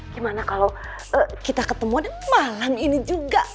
gimana kalau kita ketemuan malam ini juga